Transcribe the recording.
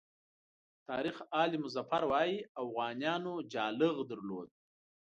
تاریخ آل مظفر وایي اوغانیانو جالغ درلود.